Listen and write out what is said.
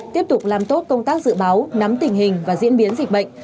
tiếp tục làm tốt công tác dự báo nắm tình hình và diễn biến dịch bệnh